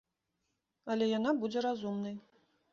Але яна будзе разумнай.